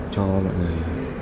cho mọi người